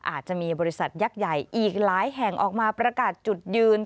อาจจะมีบริษัทยักษ์ใหญ่อีกหลายแห่งออกมาประกาศจุดยืน